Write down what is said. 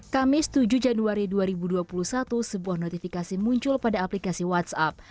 kamis tujuh januari dua ribu dua puluh satu sebuah notifikasi muncul pada aplikasi whatsapp